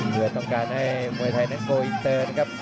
เพื่อต้องการให้มวยไทยนั้นโกอินเตอร์นะครับ